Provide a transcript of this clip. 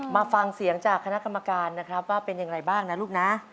มาฟังเสียงจากคณะกรรมการนะครับว่าเป็นอย่างไรบ้างนะลูกนะ